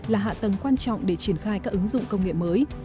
là hạ tầng quan trọng để triển khai các ứng dụng công nghệ mới